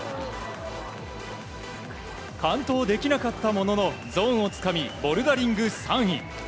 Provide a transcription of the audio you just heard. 完登できなかったもののゾーンをつかみボルダリング３位。